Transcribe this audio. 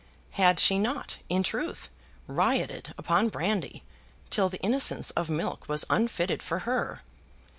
Had she not, in truth, rioted upon brandy, till the innocence of milk was unfitted for her?